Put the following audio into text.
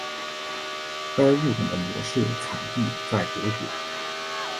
该物种的模式产地在德国。